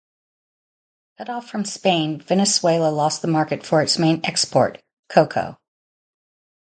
Cut off from Spain, Venezuela lost the market for its main export, cocoa.